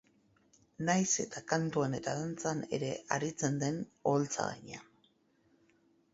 Nahiz eta kantuan eta dantzan ere aritzen den oholtza gainean.